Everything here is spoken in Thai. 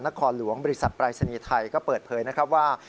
นครหลวงบริษัทปรายศนีย์ไทยก็เปิดเผยนะครับว่า